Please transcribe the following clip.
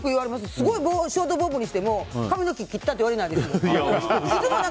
すごいショートボブにしても髪の毛切った？って言われないですもん。